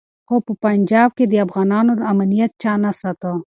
خو په پنجاب کي د افغانانو امنیت چا نه ساته.